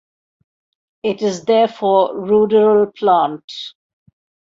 It is, therefore, ruderal plant.